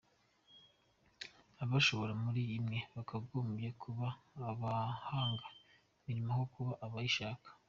Abashoboye muri mwe, bakagombye kuba abahanga imirimo, aho kuba abayishaka.